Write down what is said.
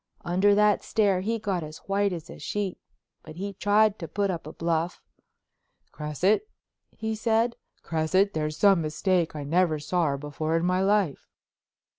Under that stare he got as white as a sheet, but he tried to put up a bluff. "Cresset," he said, "Cresset? There's some mistake. I never saw her before in my life."